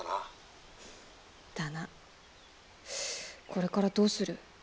これからどうする？